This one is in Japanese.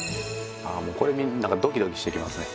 あもうこれ見るとドキドキしてきますね。